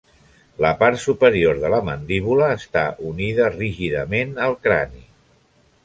La part superior de la mandíbula està unida rígidament al crani.